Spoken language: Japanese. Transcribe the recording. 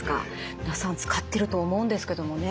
皆さん使ってると思うんですけどもね。